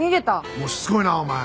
もうしつこいなお前！